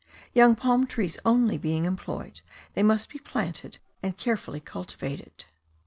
Young palm trees only being employed, they must be planted and carefully cultivated.